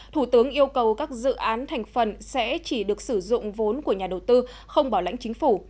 thủ tướng yêu cầu các dự án thành phần sẽ chỉ được sử dụng vốn của nhà đầu tư không bảo lãnh chính phủ